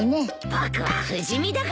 僕は不死身だからね。